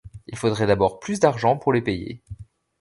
Il faudrait d’abord plus d’argent pour les payer.